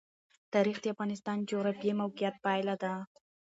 تاریخ د افغانستان د جغرافیایي موقیعت پایله ده.